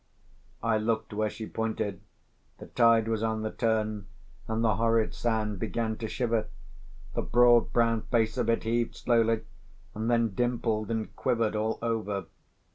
I looked where she pointed. The tide was on the turn, and the horrid sand began to shiver. The broad brown face of it heaved slowly, and then dimpled and quivered all over.